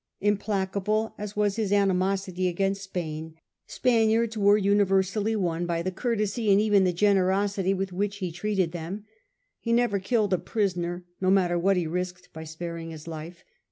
Implacable as was his animosity against Spain, Spaniards were universally won by the courtesy and even the generosity with which he treated them. He never killed a prisoner, no matter what he risked by sparing his life.